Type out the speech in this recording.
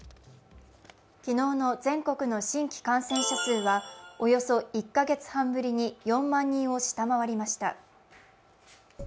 昨日の全国の新規感染者数はおよそ１カ月半ぶりに４万人を下回りました。